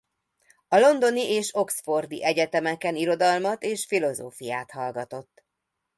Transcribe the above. A Londoni- és Oxfordi Egyetemeken irodalmat és filozófiát hallgatott.